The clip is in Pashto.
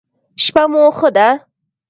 شپه مو ښه ده